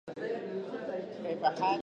دلته نېستي ده وفا په یار کي